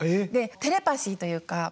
でテレパシーというか。